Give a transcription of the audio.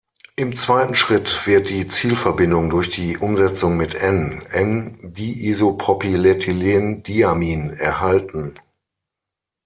Im zweiten Schritt wird die Zielverbindung durch die Umsetzung mit "N","N"-Diisopropylethylendiamin erhalten.